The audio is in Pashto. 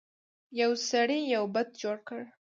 یو سړي یو بت جوړ کړ.